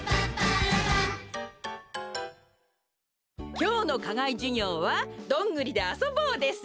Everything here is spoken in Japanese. きょうのかがいじゅぎょうはどんぐりであそぼうです。